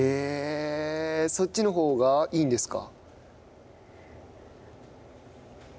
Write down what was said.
そっちのほうがいいんですか。